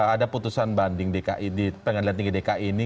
ada putusan banding dki di pengadilan tinggi dki ini